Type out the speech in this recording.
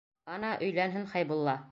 Ана, өйләнһен Хәйбулла.